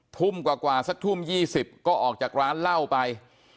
ทุ่มกว่าสักทุ่ม๒๐ก็ออกจากร้านเหล้าไป